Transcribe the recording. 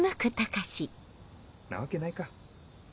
なわけないか。